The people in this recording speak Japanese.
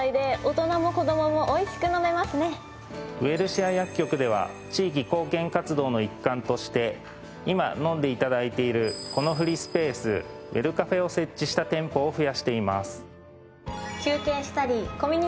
ウエルシア薬局では地域貢献活動の一環として今飲んで頂いているこのフリースペース「ウエルカフェ」を設置した店舗を増やしています。